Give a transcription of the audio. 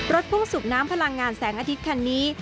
พุ่งสูบน้ำพลังงานแสงอาทิตย์คันนี้